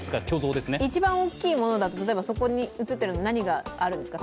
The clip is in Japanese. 一番大きいものだと、例えばそこに映っているものだと何があるんですか？